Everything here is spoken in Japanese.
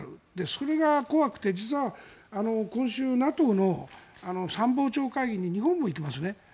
それが怖くて実は今週、ＮＡＴＯの参謀長会議に日本も行きますね。